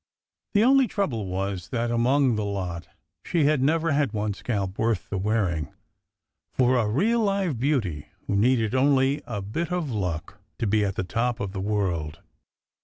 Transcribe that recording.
The only trouble was, that among the lot, she had never had one scalp worth the wearing, for a real live beauty, who needed only a bit of luck to be at the top of the world.